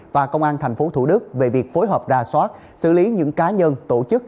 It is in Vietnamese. và công an tp thủ đức về việc phối hợp đà soát xử lý những cá nhân tổ chức